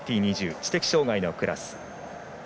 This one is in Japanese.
知的障がいのクラス。